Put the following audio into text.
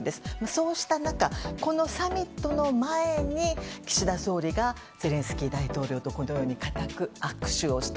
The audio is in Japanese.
そうした中、このサミットの前に岸田総理がゼレンスキー大統領とこのように固く握手をした。